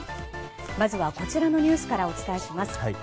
まずはこちらのニュースからお伝えします。